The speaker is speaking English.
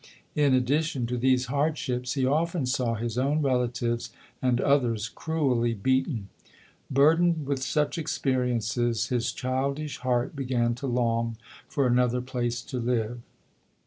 In addi tion to these hardships, he often saw his own rela tives and others cruelly beaten. Burdened with such experiences, his childish heart began to long for another place to live.